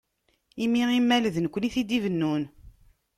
Imi imal d nekkni i t-id-ibennun.